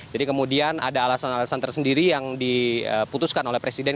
jadi kemudian ada alasan alasan tersendiri yang diputuskan oleh presiden